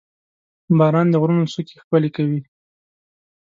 • باران د غرونو څوکې ښکلې کوي.